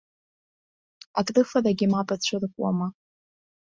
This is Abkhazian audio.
Акрыфарагьы мап ацәыркуама?